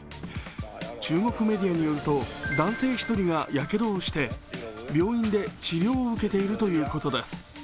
中国メディアによると男性１人がやけどをして病院で治療を受けているということです。